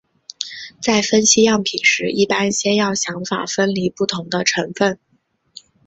在分析样品时一般先要想法分离不同的成分。